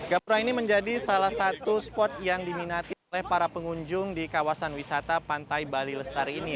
gapura ini menjadi salah satu spot yang diminati oleh para pengunjung di kawasan wisata pantai bali lestari ini